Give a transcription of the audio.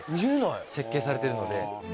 設計されてるので。